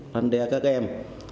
văn đe các em